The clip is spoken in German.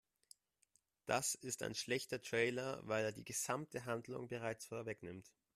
Das ist ein schlechter Trailer, weil er die gesamte Handlung bereits vorwegnimmt.